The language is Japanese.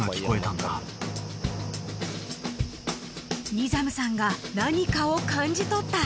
［ニザムさんが何かを感じ取った］